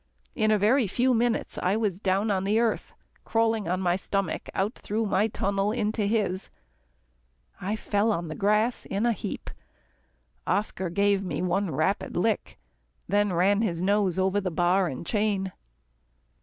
In a very few minutes, I was down on the earth, crawling on my stomach out through my tunnel into his. I fell on the grass in a heap. Oscar gave me one rapid lick, then ran his nose over the bar and chain.